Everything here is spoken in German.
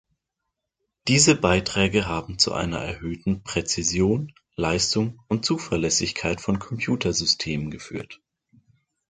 Diese Beiträge haben zu einer erhöhten Präzision, Leistung und Zuverlässigkeit von Computersystemen geführt.